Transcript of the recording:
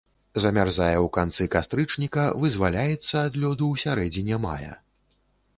Замярзае ў канцы кастрычніка, вызваляецца ад лёду ў сярэдзіне мая.